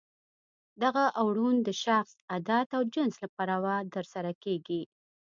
دغه اوړون د شخص، عدد او جنس له پلوه ترسره کیږي.